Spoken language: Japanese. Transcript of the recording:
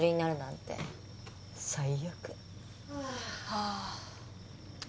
はあ。